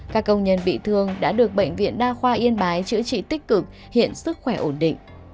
các công nhân bị thương đã được bệnh viện đa khoa yên bái chữa trị tích cực hiện sức khỏe ổn định